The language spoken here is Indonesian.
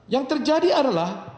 yang terjadi adalah